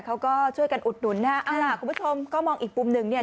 เขาก็ช่วยกันอุดหนุนนะฮะเอาล่ะคุณผู้ชมก็มองอีกมุมหนึ่งเนี่ย